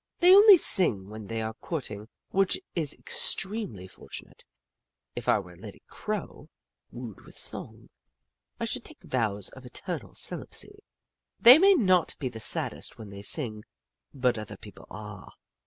They only sing when they are courting, which is extremely fortunate. If I were a lady Crow, wooed with song, I should take vows of eternal celibacy. They may not be saddest when they sing, but other people are.